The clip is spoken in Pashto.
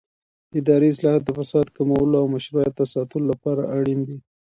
اداري اصلاحات د فساد کمولو او مشروعیت د ساتلو لپاره اړین دي